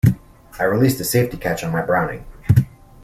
I release the safety catch on my Browning!